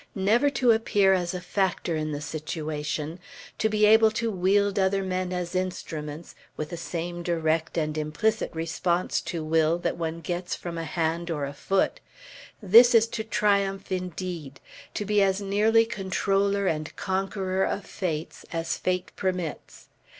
Never to appear as a factor in the situation; to be able to wield other men, as instruments, with the same direct and implicit response to will that one gets from a hand or a foot, this is to triumph, indeed: to be as nearly controller and conqueror of Fates as fate permits.